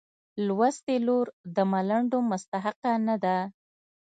لوستې لور د ملنډو مستحقه نه ده.